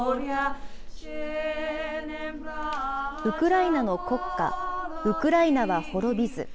ウクライナの国歌、ウクライナは滅びず。